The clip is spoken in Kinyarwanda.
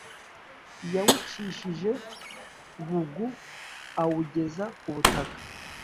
Yawucishije bugu awugeza ku butaka